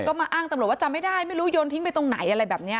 ก็มาอ้างตำรวจว่าจำไม่ได้ไม่รู้โยนทิ้งไปตรงไหนอะไรแบบนี้